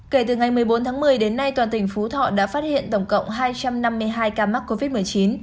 kể từ ngày một mươi bốn tháng một mươi đến nay toàn tỉnh phú thọ đã phát hiện tổng cộng hai trăm năm mươi hai ca mắc covid một mươi chín